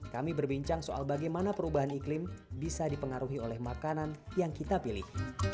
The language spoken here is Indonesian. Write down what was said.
kami berbincang soal bagaimana perubahan iklim bisa dipengaruhi oleh makanan yang kita pilih